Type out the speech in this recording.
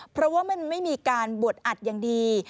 เพราะว่ามันไม่มีการบวชอัดอย่างดี